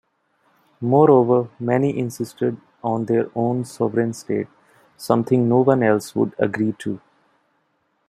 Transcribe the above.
Moreover, many insisted on their own sovereign state, something no-one else would agree to.